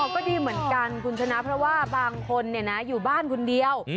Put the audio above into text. ก็ดีเหมือนกันคุณชนะเพราะว่าบางคนอยู่บ้านคนเดียว